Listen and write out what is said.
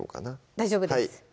大丈夫です